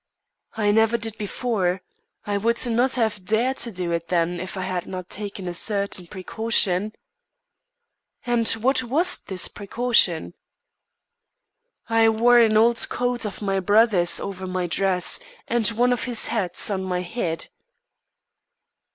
"I never did before. I would not have dared to do it then, if I had not taken a certain precaution." "And what was this precaution?" "I wore an old coat of my brother's over my dress, and one of his hats on my head."